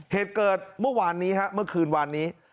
เหตุเกิดเมื่อวานนี้ฮะเมื่อคืนวานนี้